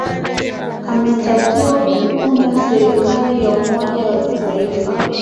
ametakiwa kuunda serikali ya umoja wa kitaifa